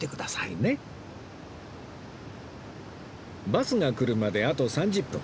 バスが来るまであと３０分